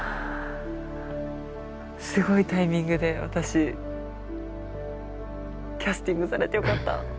すごいタイミングで私キャスティングされてよかった。